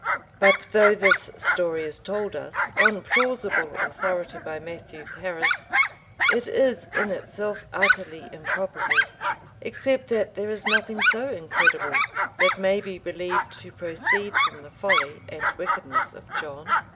But though this story is told us, on plausible authority, by Matthew Paris,* it is in itself utterly improbable; except that there is nothing so incredible but may be believed to proceed from the folly and wickedness of John.